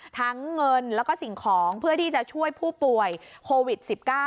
เงินแล้วก็สิ่งของเพื่อที่จะช่วยผู้ป่วยโควิด๑๙